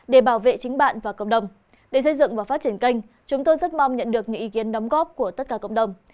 để bảo vệ chính bạn và cộng đồng để xây dựng và phát triển kênh chúng tôi rất mong nhận được những ý kiến đóng góp của tất cả cộng đồng